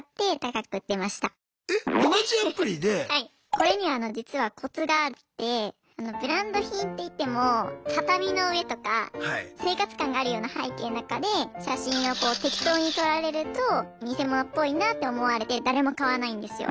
これには実はコツがあってブランド品っていっても畳の上とか生活感があるような背景の中で写真をこう適当に撮られるとニセモノっぽいなって思われて誰も買わないんですよ。